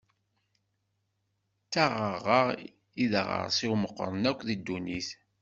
D taɣaɣa i d aɣersiw meqqren akk deg ddunit.